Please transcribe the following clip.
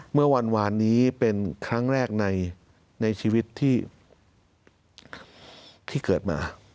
เมื่อวานนี้เป็นครั้งแรกในชีวิตที่เกิดมา